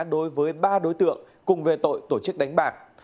đối với ba đối tượng cùng về tội tổ chức đánh bạc